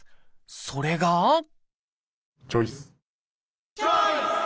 それがチョイス！